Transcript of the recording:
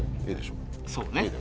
そうね。